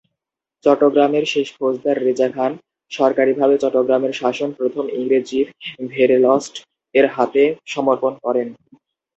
চট্টগ্রামের শেষ ফৌজদার রেজা খান সরকারিভাবে চট্টগ্রামের শাসন প্রথম ইংরেজ চিফ ভেরেলস্ট-এর হাতে সমর্পণ করেন।